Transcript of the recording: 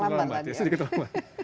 terlambat ya sedikit terlambat